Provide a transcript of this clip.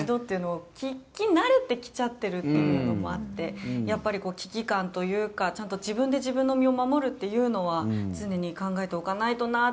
聞き慣れてきちゃってるのもあって危機感というか自分で自分の身を守るというのは常に考えておかないとなと。